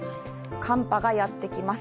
寒波がやって来ます。